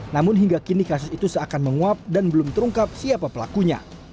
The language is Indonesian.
namun hingga kini kasus itu seakan menguap dan belum terungkap siapa pelakunya